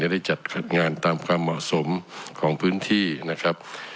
ได้จัดงานตามความเหมาะสมของพื้นที่นะครับ